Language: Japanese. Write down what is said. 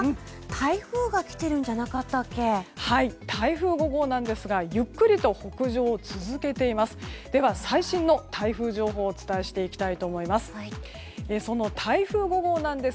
台風５号ですがゆっくりと北上を続けています。